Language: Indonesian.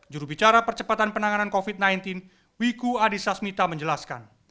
jurubicara percepatan penanganan covid sembilan belas wiku adhisa smita menjelaskan